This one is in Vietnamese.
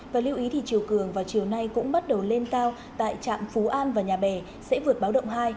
và lưu ý thì chiều cường vào chiều nay cũng bắt đầu lên cao tại trạm phú an và nhà bè sẽ vượt báo động hai